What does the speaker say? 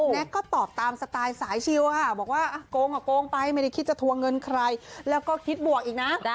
แก๊กก็ตอบตามสไตล์สายชิลค่ะบอกว่าโกงอ่ะโกงไปไม่ได้คิดจะทวงเงินใครแล้วก็คิดบวกอีกนะ